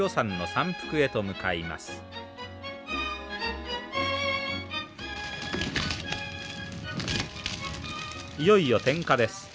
いよいよ点火です。